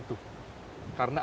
dan kita berhasil